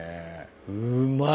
うまい。